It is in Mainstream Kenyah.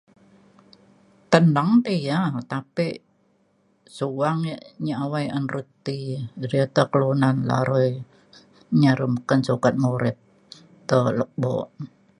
Teneng ti ya tapi' suang nyi awai ate kelunan arui nya arui bukan sukat ngurip ta lepo.